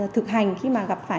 thực hành khi mà gặp phải